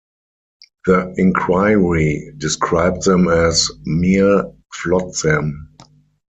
The inquiry described them as "mere flotsam".